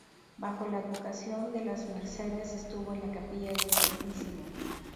Bajo la advocación de las Mercedes estuvo en la capilla del Stmo.